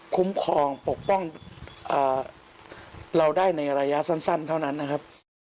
คุ้มครองปกป้องเราได้ในระยะสั้นเท่านั้นนะครับ